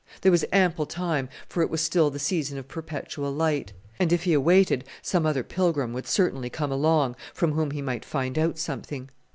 There was ample time, for it was still the season of perpetual light; and if he awaited some other pilgrim would certainly come along, from whom he might find out something.